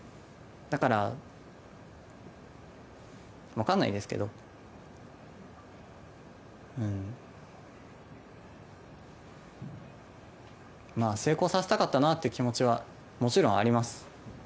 だから分からないですけど成功させたかったなという気持ちはもちろんあります。